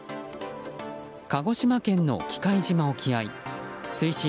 鹿児島県の喜界島沖合水深